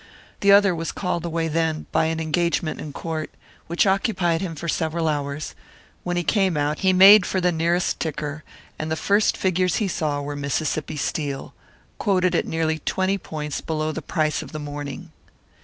The other was called away then by an engagement in court, which occupied him for several hours; when he came out, he made for the nearest ticker, and the first figures he saw were Mississippi Steel quoted at nearly twenty points below the price of the morning!